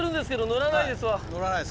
のらないですか。